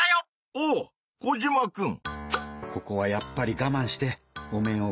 おっコジマくん！